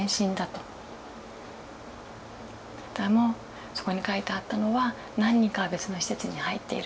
でもそこに書いてあったのは何人かは別の施設に入っていると。